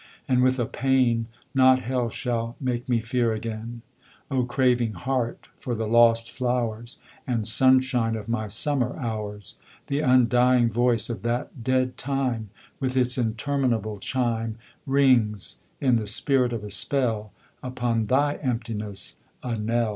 and with a pain Not Hell shall make me fear again O craving heart, for the lost flowers And sunshine of my summer hours! The undying voice of that dead time, With its interminable chime, Rings, in the spirit of a spell, Upon thy emptiness a knell.